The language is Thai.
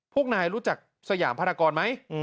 พวกนายรู้จักสยามภารกรไหม